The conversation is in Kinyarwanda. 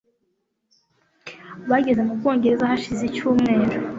Bageze mu Bwongereza hashize icyumweru.